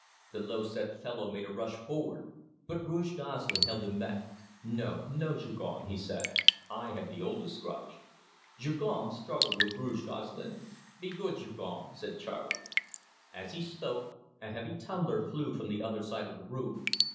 The low set fellow made a rush forward, but Rouge Gosselin held him back. "No, no, Jougon," he said. "I have the oldest grudge." Jougon struggled with Rouge Gosselin. "Be good, Jougon," said Charley. As he spoke a heavy tumbler flew from the other side of the room.